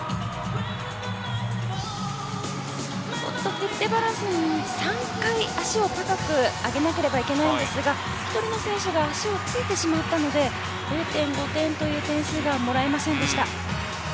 フェッテバランスで、３回足を高く上げなければならないんですが１人の選手が足をついてしまったので０．５点の点数がもらえませんでした。